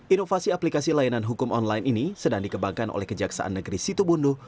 inovasi aplikasi layanan hukum online ini sedang dikembangkan oleh kejaksaan negeri situbondo